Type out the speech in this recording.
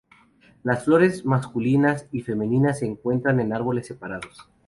Las flores masculinas y femeninas se encuentran en árboles separados.